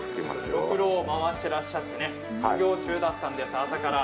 ろくろを回してらっしゃって作業中だったんです、朝から。